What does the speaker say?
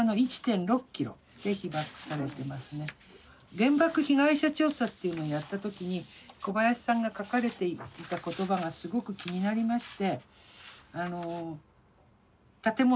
原爆被害者調査っていうのをやった時に小林さんが書かれていた言葉がすごく気になりまして。